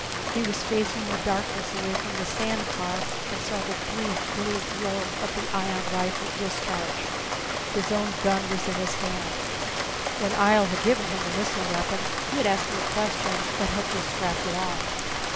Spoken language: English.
He was facing the darkness away from the sand car and saw the brief, blue glow of the ion rifle discharge. His own gun was in his hand. When Ihjel had given him the missile weapon he had asked no questions, but had just strapped it on.